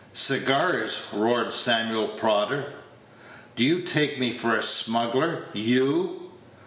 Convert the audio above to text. "Cigars!" roared Samuel Prodder. "Do you take me for a smuggler, you